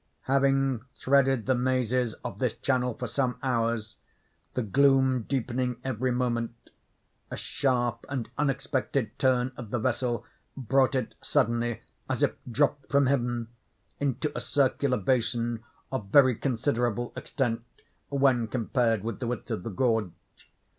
Having threaded the mazes of this channel for some hours, the gloom deepening every moment, a sharp and unexpected turn of the vessel brought it suddenly, as if dropped from heaven, into a circular basin of very considerable extent when compared with the width of the gorge.